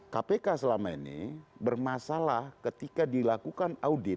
kpk selama ini bermasalah ketika dilakukan audit